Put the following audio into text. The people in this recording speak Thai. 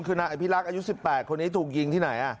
คือนายอภิรักษ์อายุ๑๘คนนี้ถูกยิงที่ไหน